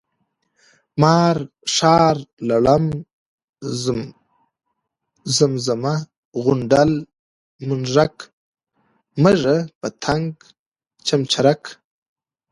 مار، ښامار ، لړم، زمزه، غونډل، منږک ، مږه، پتنګ ، چمچرک،